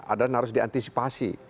adanya harus diantisipasi